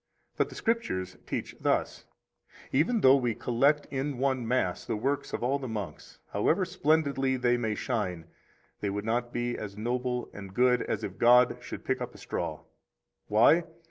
12 But the Scriptures teach thus: Even though we collect in one mass the works of all the monks, however splendidly they may shine, they would not be as noble and good as if God should pick up a straw. Why?